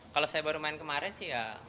kalau saya baru main kemarin sih ya